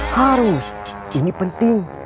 harus ini penting